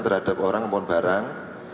terhadap orang memohon barang